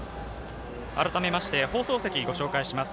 改めまして放送席、ご紹介します。